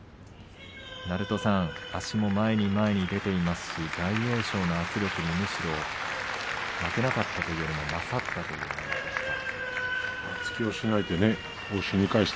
鳴戸さん、足も前に前に出ていますし大栄翔の圧力にむしろ負けなかったというよりも勝っていました。